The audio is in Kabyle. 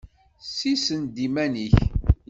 Sissen-d iman-ik!